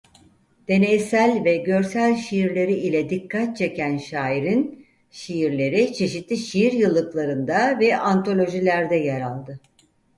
Deneysel ve görsel şiirleri ile dikkat çeken şairin şiirleri çeşitli şiir yıllıklarında ve antolojilerde yer aldı.